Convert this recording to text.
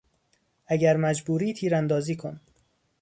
اگر مجبوری تیراندازی کن!